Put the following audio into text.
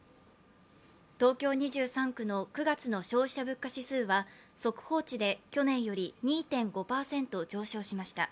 東京２３区の９月の消費者物価指数は速報値で去年より２．５％上昇しました。